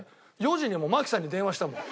４時にもうマキさんに電話したもん。